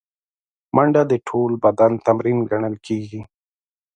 منډه د ټول بدن تمرین ګڼل کېږي